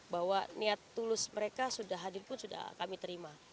bahwa niat tulus mereka sudah hadir pun sudah kami terima